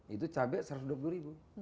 itu cabai rp satu ratus dua puluh ribu